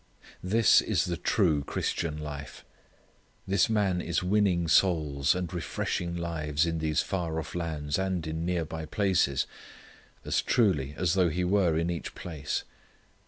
This is the true Christian life. This man is winning souls and refreshing lives in these far off lands and in near by places as truly as though he were in each place.